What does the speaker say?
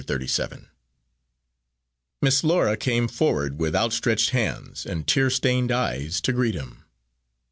Thirty seven Miss Laura came forward with outstretched hands and tear stained eyes to greet him.